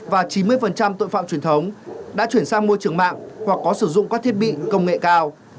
và chín mươi tội phạm truyền thống đã chuyển sang môi trường mạng hoặc có sử dụng các thiết bị công nghệ cao